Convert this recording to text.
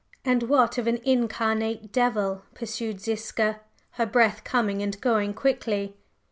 "And what of an incarnate devil?" pursued Ziska, her breath coming and going quickly.